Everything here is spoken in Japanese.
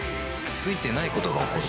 ついてないことが起こる